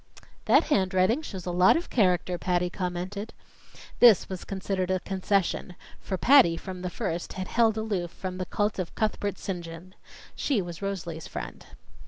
"That handwriting shows a lot of character," Patty commented. This was considered a concession; for Patty, from the first, had held aloof from the cult of Cuthbert St. John. She was Rosalie's friend.